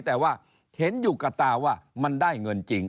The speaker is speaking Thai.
แต่ว่าเห็นอยู่กับตาว่ามันได้เงินจริง